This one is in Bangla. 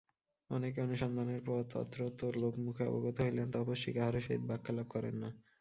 অনেক অনুসন্ধানের পর তত্রত্য লোকমুখে অবগত হইলেন তপস্বী কাহারও সহিত বাক্যালাপ করেন না।